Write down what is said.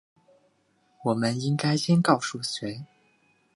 我们应该先告诉谁？